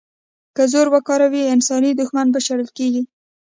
که زور وکاروي، انساني دوښمن به شړل کېږي.